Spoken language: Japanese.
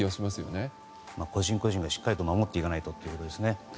個人個人がしっかりと守っていかないとですね。